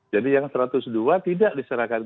jadi yang satu ratus dua tidak diserahkan